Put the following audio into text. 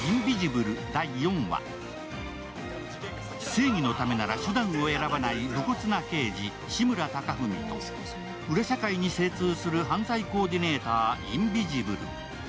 正義のためなら手段を選ばない無骨な刑事、志村貴文と裏社会に精通する犯罪コーディネーター、インビジブル。